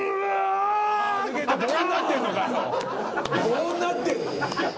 棒になってんの？